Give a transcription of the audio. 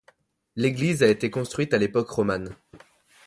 L'église a été construite à l'époque romane.